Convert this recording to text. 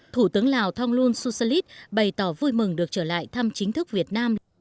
thủ tướng lào thông luân xuân phúc bày tỏ vui mừng được trở lại thăm chính thức việt nam